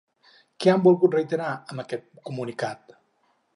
Què han volgut reiterar amb aquest comunicat?